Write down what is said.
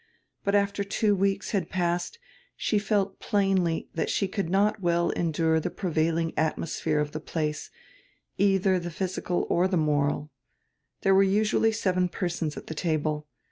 But after two weeks had passed she felt plainly diat she could not well endure die prevailing atmosphere of die place, eidier die physical or die moral. There w r ere usually seven persons at die table.